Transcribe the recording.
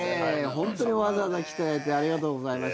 ホントにわざわざ来てくれてありがとうございました。